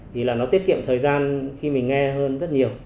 thì là nó tiết kiệm thời gian khi mình nghe hơn rất nhiều